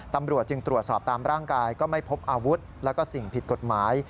ตำรวจจึงตรวจสอบตามร่างกายก็ไม่พบอาวุธแล้วก็สิ่งผิดกฎหมาย